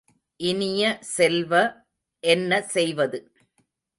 இனிய செல்வ என்ன செய்வது?